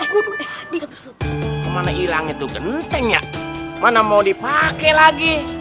kemana ilangnya tuh gentengnya mana mau dipakai lagi